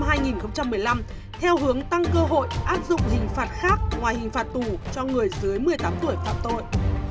sửa đổi bộ luật hình sự năm hai nghìn một mươi chín theo hướng tăng cơ hội áp dụng hình phạt khác ngoài hình phạt tù cho người dưới một mươi tám tuổi phạm tội